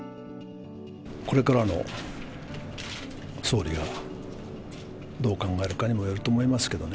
これからの総理がどう考えるかにもよると思いますけどね。